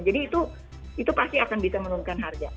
jadi itu pasti akan bisa menurunkan harga